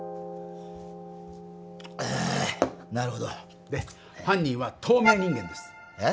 あーっなるほどで犯人は透明人間ですえっ？